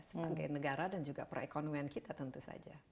sebagai negara dan juga perekonomian kita tentu saja